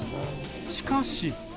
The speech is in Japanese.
しかし。